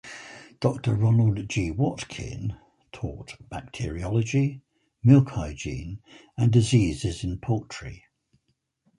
Doctor Ronald G. Watkin taught bacteriology, milk hygiene, and diseases in poultry.